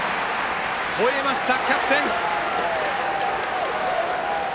ほえました、キャプテン！